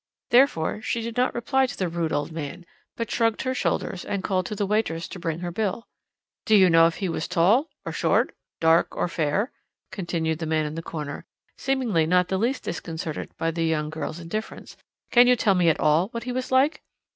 Therefore she did not reply to the rude old man, but shrugged her shoulders, and called to the waitress to bring her bill. "Do you know if he was tall or short, dark or fair?" continued the man in the corner, seemingly not the least disconcerted by the young girl's indifference. "Can you tell me at all what he was like?"